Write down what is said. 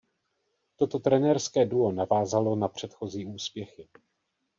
Toto trenérské duo navázalo na předchozí úspěchy.